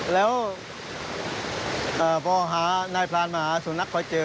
แล้วพอหานายพรานมาหาสุนัขพอเจอ